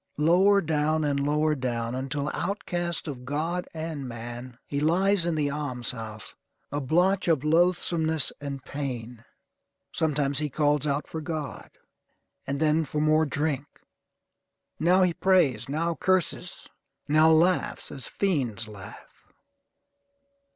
Lower down and lower down, until, outcast of God and man, he lies in the alms house, a blotch of loathsomeness and pain. Sometimes he calls out for God; and then for more drink. Now he prays; now curses. Now laughs as fiends laugh.